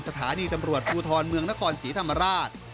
สถานีตำรวจภูทรเมืองนครศรีธรรมราช